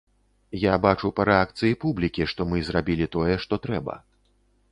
Я бачу па рэакцыі публікі, што мы зрабілі тое, што трэба.